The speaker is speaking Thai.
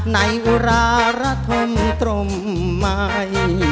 ในอุราระธรรมตรมใหม่